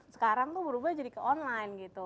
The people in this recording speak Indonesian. sekarang tuh berubah jadi ke online gitu